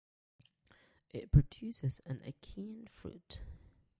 It produces an achene fruit.